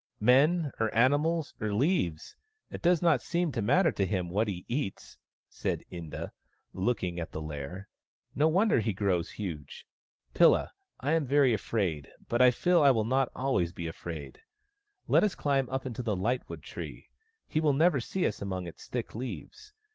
" Men, or animals, or leaves — it does not seem to matter to him what he eats," said Inda, looking at the lair. " No wonder he grows huge. Pilla, I am very afraid, but I feel I will not always be afraid. Let us climb up into the lightwood tree ; he will never see us among its thick leaves.